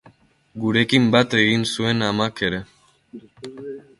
Gurekin bat egin zuen amak ere.